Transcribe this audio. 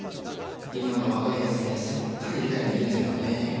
今の若い奴らにはさっぱり理解できないだろうね。